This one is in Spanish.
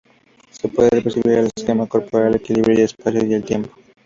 Se puede percibir en el esquema corporal, el equilibrio, el espacio y el tiempo.